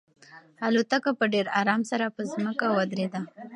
الوتکه په ډېر ارام سره په ځمکه ودرېده.